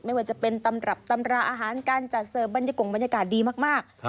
ไม่ว่าจะเป็นตำรับตำราอาหารการจัดเสิร์ฟบรรยากาศดีมาก